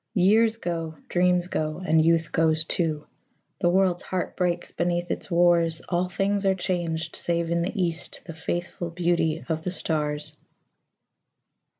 Years go, dreams go, and youth goes too, The world's heart breaks beneath its wars, All things are changed, save in the east The faithful beauty of the stars.